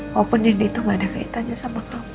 walaupun ini tuh gak ada kaitannya sama kamu